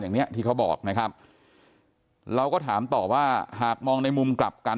อย่างเนี้ยที่เขาบอกนะครับเราก็ถามต่อว่าหากมองในมุมกลับกัน